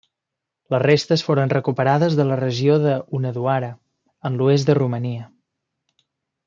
Les restes foren recuperades de la regió de Hunedoara, en l'oest de Romania.